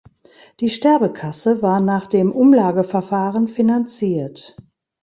Die Sterbekasse war nach dem Umlageverfahren finanziert.